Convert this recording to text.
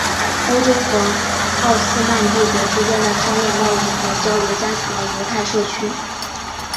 欧洲和奥斯曼帝国之间的商业贸易和交流加强了犹太社区。